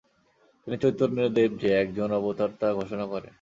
তিনি চৈতন্যদেব যে একজন অবতার তা ঘোষণা করেন।